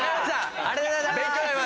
ありがとうございます！